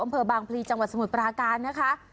อำเภอบางพลีจังหวัดสมุทรปราการนะคะ